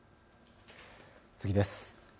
次です。